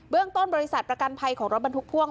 เรื่องต้นบริษัทประกันภัยของรถบรรทุกพ่วง